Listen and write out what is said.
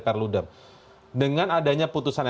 perludem dengan adanya putusan